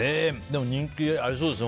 人気ありそうですね。